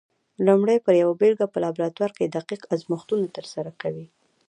لومړی پر یوه بېلګه په لابراتوار کې دقیق ازمېښتونه ترسره کوي؟